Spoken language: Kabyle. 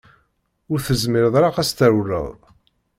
Ur tezmireḍ ara ad s-trewleḍ.